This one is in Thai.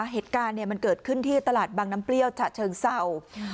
เหตุการณ์มันเกิดขึ้นที่ตลาดบางน้ำเปรี้ยวฉะเชิงเศร้า